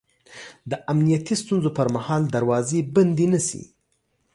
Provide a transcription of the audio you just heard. د امنیتي ستونزو پر مهال دروازې بندې نه شي